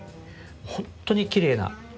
本当にきれいな。